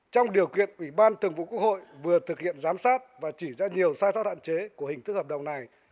trong điều kiện ủy ban thường vụ quốc hội vừa thực hiện giám sát và chỉ ra nhiều sai sót hạn chế của hình thức hợp đồng này